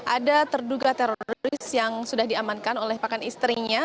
ada terduga teroris yang sudah diamankan oleh pakan istrinya